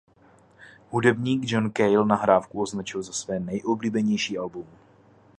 Hudebník John Cale nahrávku označil za své nejoblíbenější album.